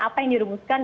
apa yang dirumuskan